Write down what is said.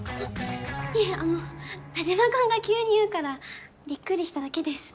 いえあの田嶋君が急に言うからびっくりしただけです